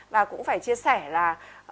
và cũng phải chia sẻ là